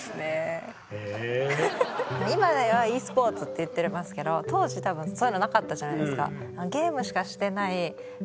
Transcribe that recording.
今では「ｅスポーツ」って言ってますけど当時多分そういうのなかったじゃないですか。